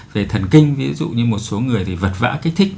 về thần kinh ví dụ như một số người thì vật vã kích thích